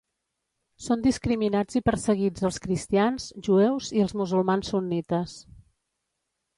Són discriminats i perseguits els cristians, jueus i els musulmans sunnites.